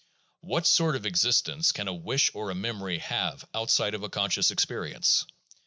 What sort of existence can a wish or a memory have outside of a conscious experience